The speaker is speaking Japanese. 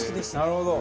なるほど。